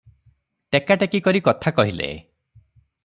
ଟେକା ଟେକି କରି କଥା କହିଲେ ।